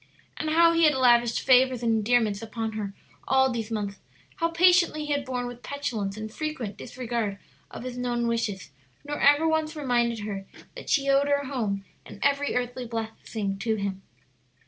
And how he had lavished favors and endearments upon her all these months; how patiently he had borne with petulance and frequent disregard of his known wishes, nor ever once reminded her that she owed her home and every earthly blessing to him.